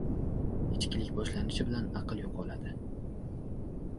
• Ichkilik boshlanishi bilan aql yo‘qoladi.